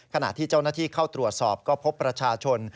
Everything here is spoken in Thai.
ขณะที่เจ้าหน้าที่เข้าตรวจสอบก็พบประชาชน